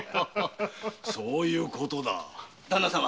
そういうことだな。